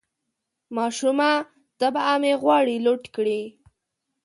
ماشومه طبعه مې غواړي لوټ کړي